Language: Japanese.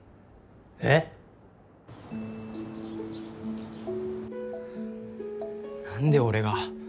えっ？何で俺が。